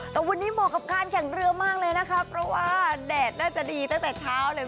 แต่วันนี้เหมาะกับการแข่งเรือมากเลยนะคะเพราะว่าแดดน่าจะดีตั้งแต่เช้าเลย